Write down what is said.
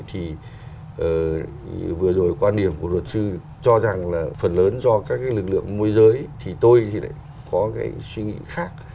thì vừa rồi quan điểm của luật sư cho rằng là phần lớn do các cái lực lượng môi giới thì tôi thì lại có cái suy nghĩ khác